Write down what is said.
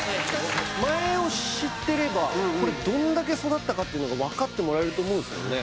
前を知ってればこれどんだけ育ったかっていうのがわかってもらえると思うんですよね。